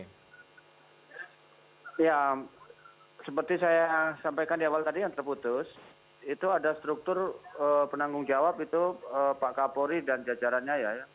ya seperti saya sampaikan di awal tadi yang terputus itu ada struktur penanggung jawab itu pak kapolri dan jajarannya ya